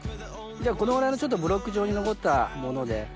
このぐらいのブロック状に残ったもので。